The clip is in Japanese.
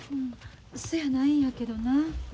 そやないんやけどな。